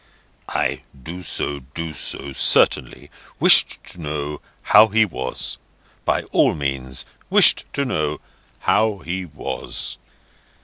"Ay; do so, do so. Certainly. Wished to know how he was. By all means. Wished to know how he was."